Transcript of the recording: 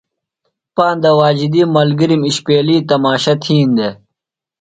پاندہ واجدی ملگِرِم اِشپیلیۡ تماشہ تِھین دےۡ۔